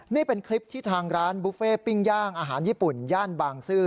นี่เป็นคลิปที่ทางร้านบุฟเฟ่ปิ้งย่างอาหารญี่ปุ่นย่านบางซื่อ